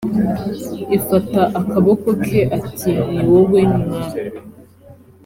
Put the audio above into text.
ifata akaboko ke atiniwowe mwami.